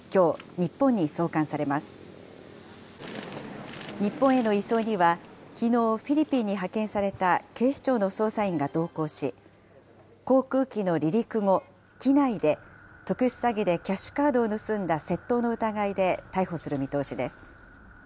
日本への移送には、きのう、フィリピンに派遣された警視庁の捜査員が同行し、航空機の離陸後、機内で、特殊詐欺でキャッシュカードを盗んだ窃盗の疑いで逮捕する見通しです。